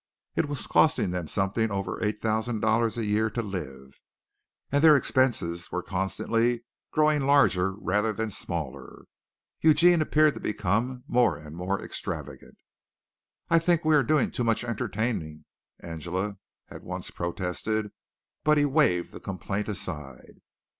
It was costing them something over eight thousand dollars a year to live, and their expenses were constantly growing larger rather than smaller. Eugene appeared to become more and more extravagant. "I think we are doing too much entertaining," Angela had once protested, but he waived the complaint aside.